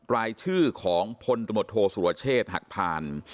รายชื่อของพลตำรวจโทษสุรเชษฐ์หักพาน